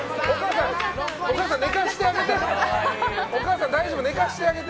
お母さん、寝かせてあげて。